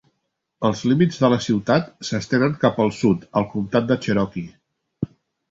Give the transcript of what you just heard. Els límits de la ciutat s'estenen cap al sud al Comtat de Cherokee.